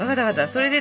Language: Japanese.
それで。